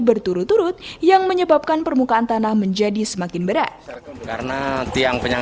berturut turut yang menyebabkan permukaan tanah menjadi semakin berat